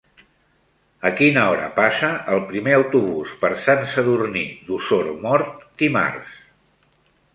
A quina hora passa el primer autobús per Sant Sadurní d'Osormort dimarts?